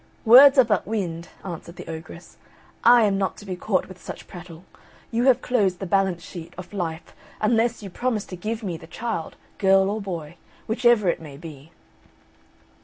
"Words are but wind," answered the ogress, "I am not to be caught with such prattle; you have closed the balance sheet of life, unless you promise to give me the child, girl or boy, whichever it may be."